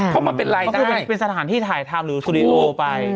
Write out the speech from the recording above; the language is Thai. เข้ามาเป็นไลน์ได้เพราะว่าเป็นสถานที่ถ่ายทำหรือสุริโลไป